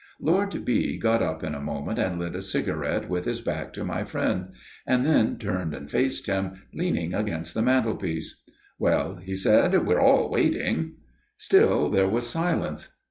"Lord B. got up in a moment and lit a cigarette with his back to my friend; and then turned and faced him, leaning against the mantelpiece. "'Well,' he said, 'we're all waiting.' "Still there was silence.